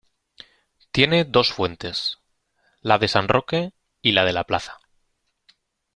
Tiene dos fuentes, la de San Roque y la de la Plaza.